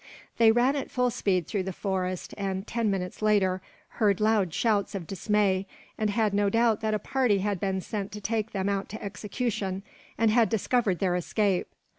They ran at full speed through the forest and, ten minutes later, heard loud shouts of dismay; and had no doubt that a party had been sent to take them out to execution, and had discovered their escape.